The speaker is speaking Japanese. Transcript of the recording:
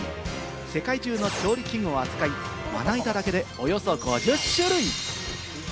世界中の調理器具を扱い、まな板だけでおよそ５０種類。